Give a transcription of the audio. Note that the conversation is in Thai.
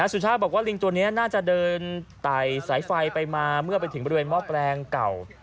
สุชาติบอกว่าลิงตัวนี้น่าจะเดินไต่สายไฟไปมาเมื่อไปถึงบริเวณหม้อแปลงเก่า